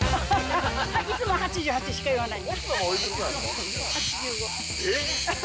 いつも８８しか言わない。